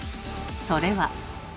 それは。